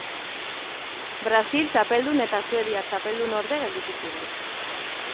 Brasil txapeldun eta Suedia txapeldunorde gelditu ziren.